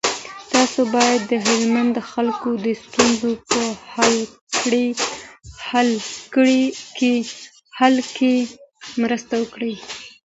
تاسو باید د هلمند د خلکو د ستونزو په حل کي مرسته وکړئ.